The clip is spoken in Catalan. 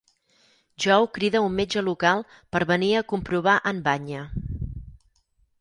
Joe crida a un metge local per venir a comprovar en banya.